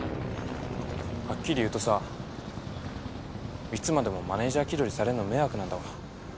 はっきり言うとさいつまでもマネジャー気取りされんの迷惑なんだわ。